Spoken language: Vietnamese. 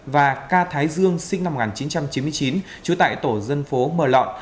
và ca thái dương sinh năm một nghìn chín trăm chín mươi chín trú tại tổ dân phố mờ lọn